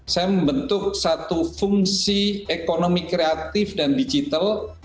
saya membentuk satu fungsi ekonomi kreatif dan digital